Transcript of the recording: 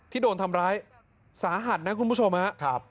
โดนทำร้ายสาหัสนะคุณผู้ชมครับ